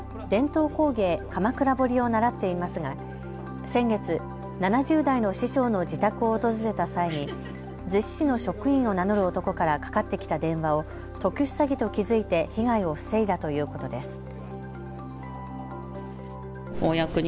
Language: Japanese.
伝統工芸、鎌倉彫を習っていますが先月、７０代の師匠の自宅を訪れた際に逗子市の職員を名乗る男からかかってきた電話を特殊詐欺と気付いて被害を防いだということです。